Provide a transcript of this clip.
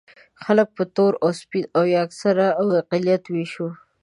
خلک په تور او سپین او یا اکثریت او اقلیت وېشو.